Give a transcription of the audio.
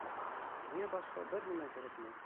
— Миңә башҡа бер нимә кәрәкмәй.